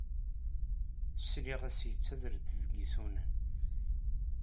Sliɣ-as yettader-d deg yisunan.